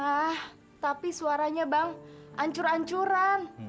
ah tapi suaranya bang ancur ancuran